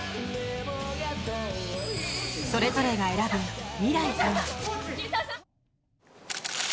それぞれが選ぶ、未来とは？